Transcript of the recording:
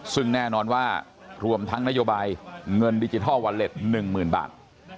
ซึ่งแน่นอนว่ารวมทั้งนโยบายเงินดิจิทัลวอลเล็ต๑๐๐๐บาท